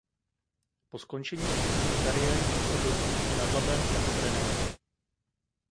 Po skončení aktivní kariéry působil v Ústí nad Labem jako trenér.